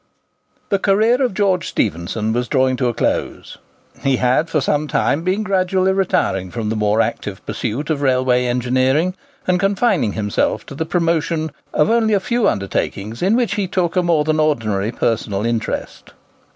The career of George Stephenson was drawing to a close. He had for some time been gradually retiring from the more active pursuit of railway engineering, and confining himself to the promotion of only a few undertakings in which he took a more than ordinary personal interest.